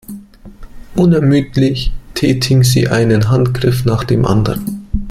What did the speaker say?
Unermüdlich tätigen sie einen Handgriff nach dem anderen.